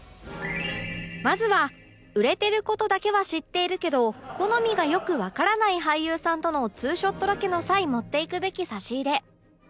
まずは売れてる事だけは知っているけど好みがよくわからない俳優さんとのツーショットロケの際持っていくべき差し入れ